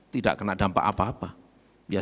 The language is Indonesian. tidak kena dampak apa apa ya